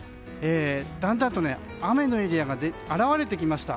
だんだんと雨のエリアが現れてきました。